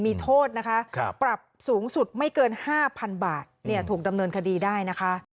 มีโทษนะคะปรับสูงสุดไม่เกิน๕๐๐๐บาทถูกดำเนินคดีได้นะคะ